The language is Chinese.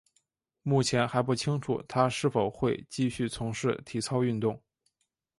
目前还不清楚她是否会继续从事体操运动。